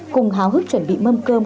cùng háo hức chuẩn bị mâm cơm